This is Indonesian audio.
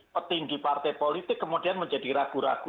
petinggi partai politik kemudian menjadi ragu ragu